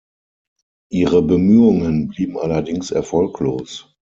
Ihre Bemühungen blieben allerdings erfolglos.